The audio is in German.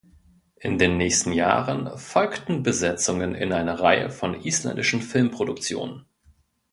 In den nächsten Jahren folgten Besetzungen in einer Reihe von isländischen Filmproduktionen.